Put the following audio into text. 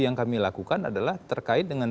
yang kami lakukan adalah terkait dengan